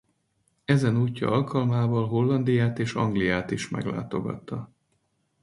Ezen útja alkalmával Hollandiát és Angliát is meglátogatta.